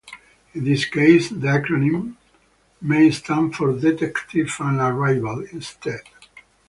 In this case, the acronym may stand for "Defective on Arrival" instead.